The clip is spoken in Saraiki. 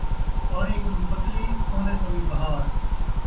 پاݨی کنوں پتلی، سونے سویں بہار